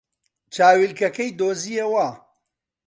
چاویلکەکەی دۆزییەوە.